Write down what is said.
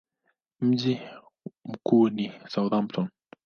Mji wake mkuu ni Southampton.